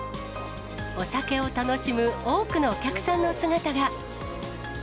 お酒を楽しむ多くのお客さんの姿が。